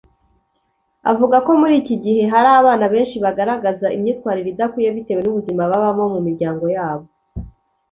Avuga ko muri iki gihe hari abana benshi bagaragaza imyitwarire idakwiye bitewe n’ubuzima babamo mu miryango yabo